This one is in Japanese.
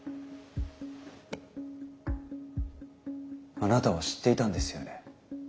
あなたは知っていたんですよね？